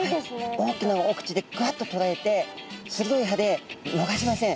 大きなお口でグワッととらえて鋭い歯で逃しません。